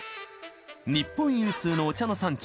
日本有数のお茶の産地